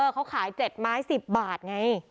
เขาขาย๗ไม้๑๐บาทไง